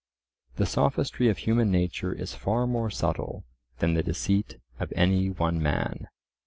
The sophistry of human nature is far more subtle than the deceit of any one man.